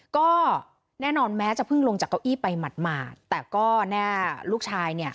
ก็แน่นอนแม้จะเพิ่งลงจากเก้าอี้ไปหมาดแต่ก็แน่ลูกชายเนี่ย